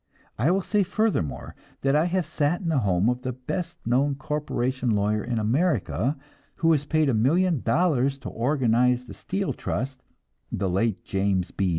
I will say furthermore that I have sat in the home of the best known corporation lawyer in America, who was paid a million dollars to organize the steel trust the late James B.